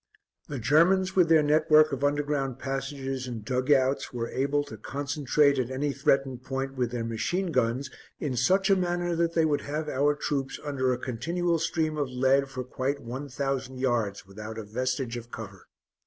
The Germans, with their network of underground passages and dug outs, were able to concentrate at any threatened point with their machine guns in such a manner that they would have our troops under a continual stream of lead for quite one thousand yards without a vestige of cover.